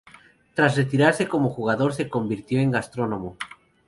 Tras retirarse como jugador, se convirtió en gastrónomo.